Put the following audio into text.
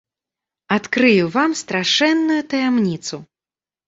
Адкрыю вам страшэнную таямніцу.